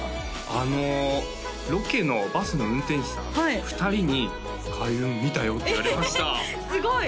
あのロケのバスの運転手さん２人に「開運見たよ」って言われましたすごい！